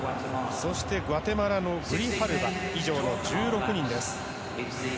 そしてグアテマラの選手以上の１６人です。